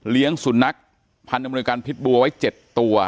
สุนัขพันธ์อำนวยการพิษบัวไว้๗ตัว